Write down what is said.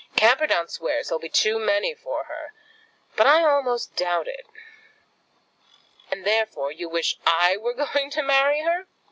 Camperdown swears he'll be too many for her, but I almost doubt it." "And therefore you wish I were going to marry her?"